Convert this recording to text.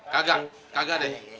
kagak kagak deh